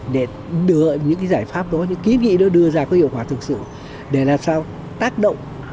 để đưa những cái giải pháp đó những ký vị đó đưa ra có hiệu quả thực sự để làm sao tác động